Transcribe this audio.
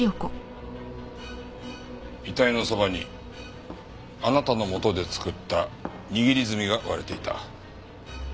遺体のそばにあなたのもとで作った握り墨が割れていた。